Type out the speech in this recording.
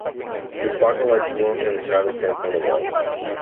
The sparkle light swung, and the shadows danced on the walls.